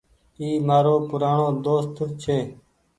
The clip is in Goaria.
اي مآرو پورآڻو دوست ڇي ۔